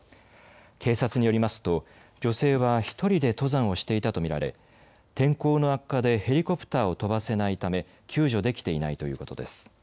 警察によりますと女性は１人で登山をしていたと見られ天候の悪化でヘリコプターを飛ばせないため救助できていないということです。